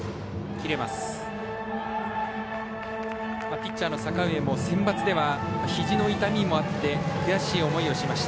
ピッチャーの阪上もセンバツではひじの痛みもあって悔しい思いをしました。